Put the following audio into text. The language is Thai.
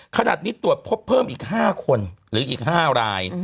ขนาดนี้ตรวจพบเพิ่มอีก๕คนหรืออีก๕ราย